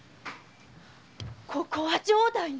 ここは城代の？